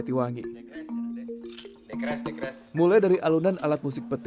di sini itu sangat kuat